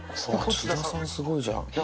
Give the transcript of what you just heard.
津田さん、すごいじゃん。